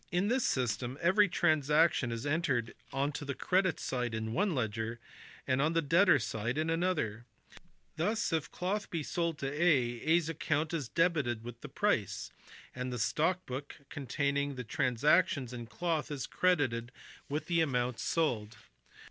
In this system every transaction is entered on the credit side in one ledger, and on the debtor side in another ; thus, if cloth be sold to A, A s account is debited with the price, and the stock book con taining the transactions in cloth is credited with the amount IMPROVEMENTS INTRODUCED. 193 sold.